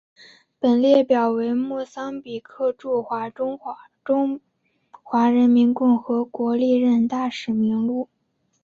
本列表为莫桑比克驻中华人民共和国历任大使名录。